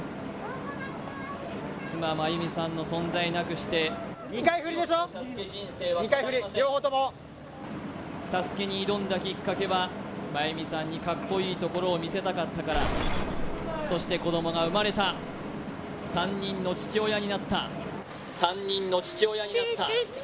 妻・真弓さんの存在なくしてＳＡＳＵＫＥに挑んだきっかけは真弓さんにカッコいいところを見せたかったからそして子供が生まれた３人の父親になった３人の父親になった